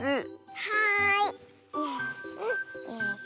はい。